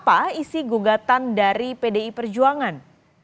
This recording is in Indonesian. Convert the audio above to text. apa isi gugatan dari pdi perjuangan